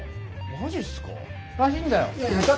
マジっすか？